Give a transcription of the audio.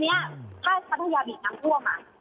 เพราะฉะนั้นถุดที่ไปสำรวจวันนี้คือมันจะเชื่อมต่อกับเมืองลับแลเลย